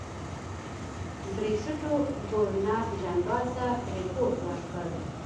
بریسټو ګورنرجنرال ته رپوټ ورکړ.